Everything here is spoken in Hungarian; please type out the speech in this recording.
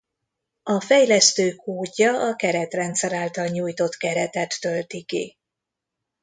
A fejlesztő kódja a keretrendszer által nyújtott keretet tölti ki.